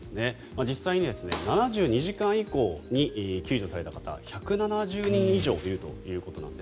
実際に７２時間以降に救助された方１７０人以上いるということなんです。